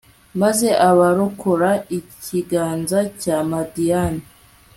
maze abarokora ikiganza cya madiyani